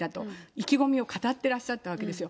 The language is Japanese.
意気込みを語ってらっしゃったわけですよ。